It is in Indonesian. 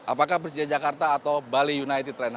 apakah persia jakarta atau bali united